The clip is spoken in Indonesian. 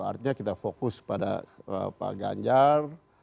artinya kita fokus pada pak ganjar